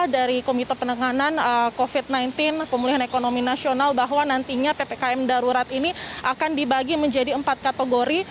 dari komite penanganan covid sembilan belas pemulihan ekonomi nasional bahwa nantinya ppkm darurat ini akan dibagi menjadi empat kategori